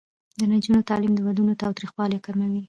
د نجونو تعلیم د ودونو تاوتریخوالی کموي.